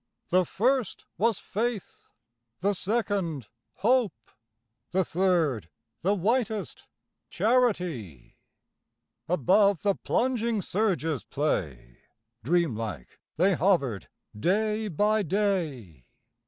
The first was Faith; the second, Hope; The third the whitest Charity. Above the plunging surge's play Dream like they hovered, day by day.